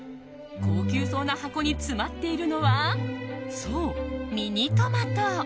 高級そうな箱に詰まっているのはそう、ミニトマト。